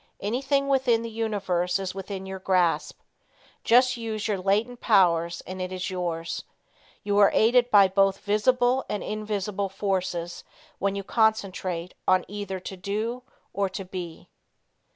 Anything within the universe is within your grasp. Just use your latent powers and it is yours. You are aided by both visible and invisible forces when you concentrate on either "to do" or "to be."